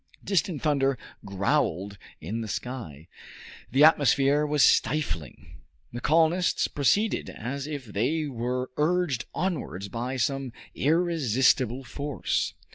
Distant thunder growled in the sky. The atmosphere was stifling. The colonists proceeded as if they were urged onwards by some irresistible force.